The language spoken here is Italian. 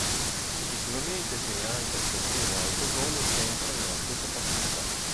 Successivamente segna anche il suo primo autogol sempre nella stessa partita.